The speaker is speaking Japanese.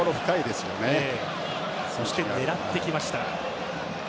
そして狙ってきました。